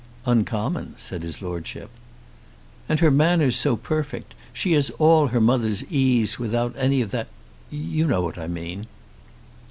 "Uncommon," said his Lordship. "And her manners so perfect. She has all her mother's ease without any of that You know what I mean."